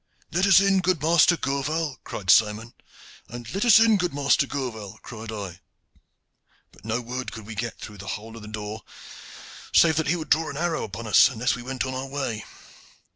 'Let us in, good Master Gourval!' cried Simon, and 'Let us in, good Master Gourval!' cried I, but no word could we get through the hole in the door, save that he would draw an arrow upon us unless we went on our way.